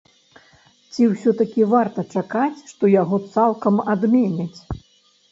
Ці ўсё-такі варта чакаць, што яго цалкам адменяць?